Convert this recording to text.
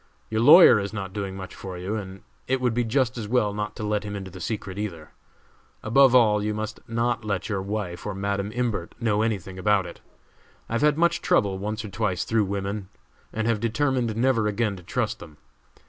Your lawyer is not doing much for you, and it would be just as well not to let him into the secret either. Above all, you must not let your wife or Madam Imbert know any thing about it. I have had much trouble once or twice through women, and have determined never again to trust them.